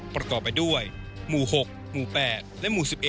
ประกอบไปด้วยหมู่๖หมู่๘และหมู่๑๑